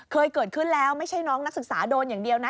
เคยเกิดขึ้นแล้วไม่ใช่น้องนักศึกษาโดนอย่างเดียวนะ